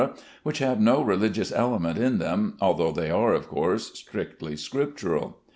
which have no religious element in them, although they are of course strictly Scriptural.